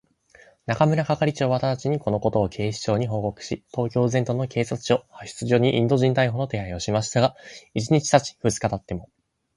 中村係長はただちに、このことを警視庁に報告し、東京全都の警察署、派出所にインド人逮捕の手配をしましたが、一日たち二日たっても、